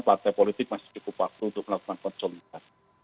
partai politik masih cukup waktu untuk melakukan konsolidasi